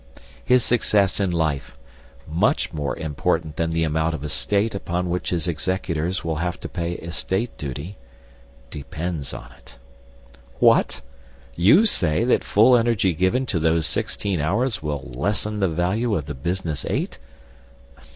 His success in life (much more important than the amount of estate upon what his executors will have to pay estate duty) depends on it. What? You say that full energy given to those sixteen hours will lessen the value of the business eight?